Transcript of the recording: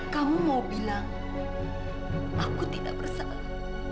kamu mau bilang aku tidak bersalah